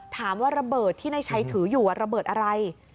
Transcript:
ถามว่าระเบิดที่นายชัยถืออยู่ระเบิดอะไร